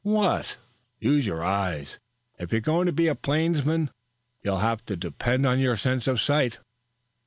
"What?" "Use your eyes. If you're going to be a plainsman you'll have to depend on your sense of sight.